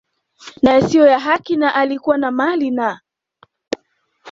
na yasiyo ya haki na alikuwa na mali na